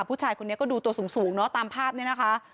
ผู้ชายคนนี้ก็ดูตัวสูงเนอะตามภาพนี้นะคะ